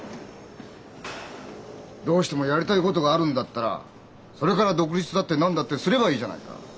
どうしてもやりたいことがあるんだったらそれから独立だって何だってすればいいじゃないか。